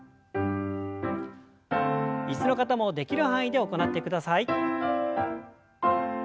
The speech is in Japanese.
椅子の方もできる範囲で行ってください。